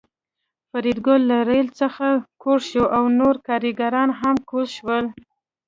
فریدګل له ریل څخه کوز شو او نور کارګران هم کوز شول